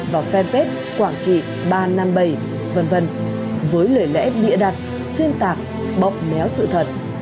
và fanpage quảng trị ba trăm năm mươi bảy v v với lời lẽ địa đặt xuyên tạc bọc méo sự thật